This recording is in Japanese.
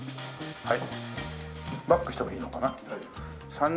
はい。